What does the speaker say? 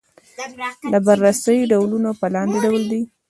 د بررسۍ ډولونه په لاندې ډول دي.